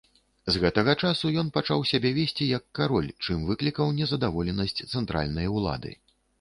З гэтага часу ён пачаў сябе весці як кароль, чым выклікаў незадаволенасць цэнтральнай улады.